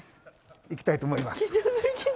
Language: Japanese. いきたいと思います。